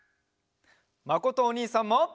まことおにいさんも！